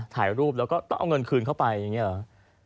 ถ่ายรูปแล้วก็ต้องเอาเงินคืนเข้าไปอย่างนี้หรอ